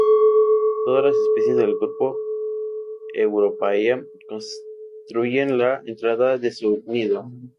Todas las especies del grupo "europaea" construyen la entrada de su nido.